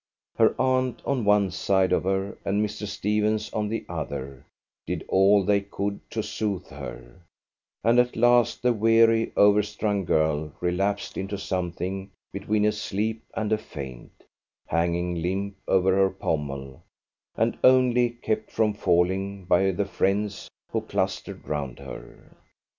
Her aunt on one side of her, and Mr. Stephens on the other, did all they could to soothe her, and at last the weary, overstrung girl relapsed into something between a sleep and a faint, hanging limp over her pommel, and only kept from falling by the friends who clustered round her.